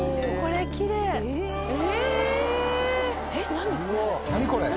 何これ⁉何⁉